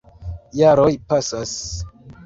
Jaroj pasas.